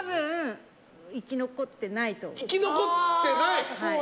生き残ってない！